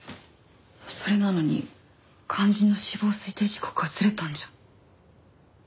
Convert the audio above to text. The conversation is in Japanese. それなのに肝心の死亡推定時刻がずれたんじゃ。